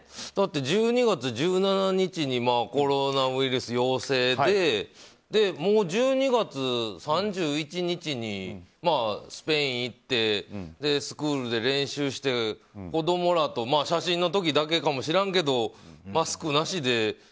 だって１２月１７日にコロナウイルス陽性でもう１２月３１日にスペイン行ってスクールで練習して、子供らと写真の時だけかもしらんけどマスクなしで。